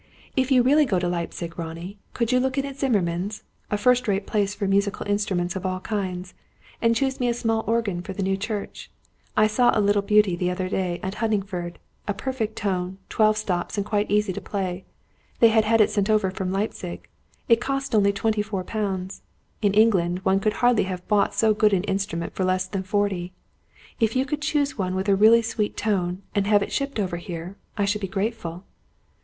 "If you really go to Leipzig, Ronnie, could you look in at Zimmermann's a first rate place for musical instruments of all kinds and choose me a small organ for the new church? I saw a little beauty the other day at Huntingford; a perfect tone, twelve stops, and quite easy to play. They had had it sent over from Leipzig. It cost only twenty four pounds. In England, one could hardly have bought so good an instrument for less than forty. If you could choose one with a really sweet tone, and have it shipped over here, I should be grateful."